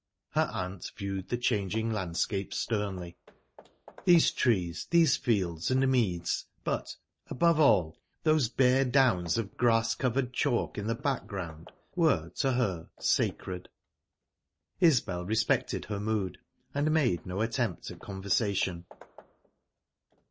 Her aunt viewed the changing landscape sternly. These trees, these fields and meads, but, above all, those bare downs of grass covered chalk in the background, were to her sacred. Isbel respected her mood, and made no attempt at conversation.